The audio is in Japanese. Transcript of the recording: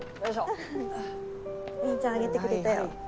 おにいちゃん上げてくれたよ。